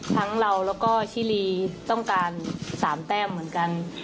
เราแล้วก็ชิลีต้องการ๓แต้มเหมือนกัน